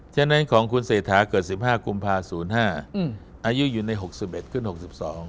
ฉะนั้นของคุณเศรษฐาเกิดสิบห้ากุมภาษณ์ศูนย์ห้าอืมอายุอยู่ในหกสิบเอ็ดขึ้นหกสิบสอง